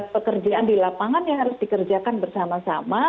pekerjaan di lapangan yang harus dikerjakan bersama sama